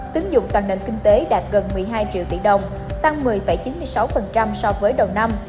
tính dụng toàn nền kinh tế đạt gần một mươi hai triệu tỷ đồng tăng một mươi chín mươi sáu so với đầu năm